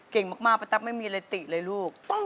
เก่งมากป้าตั๊บไม่มีอะไรติเลยลูก